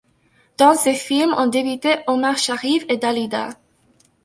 Dans ses films ont débuté Omar Shariff et Dalida.